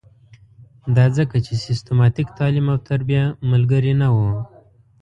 دا ځکه چې سیستماتیک تعلیم او تربیه ملګرې نه وه.